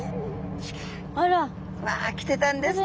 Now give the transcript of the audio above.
わきてたんですね。